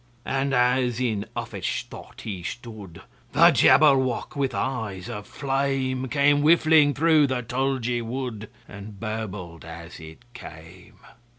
And as in uffish thought he stood, The Jabberwock, with eyes of flame, Came whiffling through the tulgey wood, And burbled as it came!